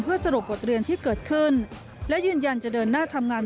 สรุปบทเรียนที่เกิดขึ้นและยืนยันจะเดินหน้าทำงาน